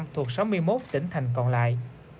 ba mươi thuộc sáu mươi một tỉnh thành còn lại